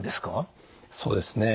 そうですね。